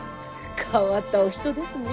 変わったお人ですね。